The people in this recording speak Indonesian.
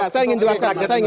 saya ingin jelaskan